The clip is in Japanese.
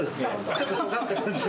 ちょっととがっている感じが。